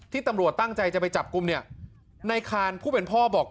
ตำรวจตั้งใจจะไปจับกลุ่มเนี่ยในคานผู้เป็นพ่อบอก